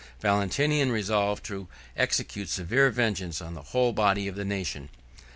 Valentinian resolved to execute severe vengeance on the whole body of the nation.